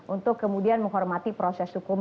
untuk kemudian menghormati proses hukum